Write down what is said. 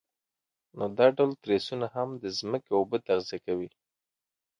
نو دا ډول تریسونه هم د ځمکې اوبه تغذیه کوي.